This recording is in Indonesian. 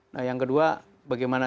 nah yang kedua bagaimana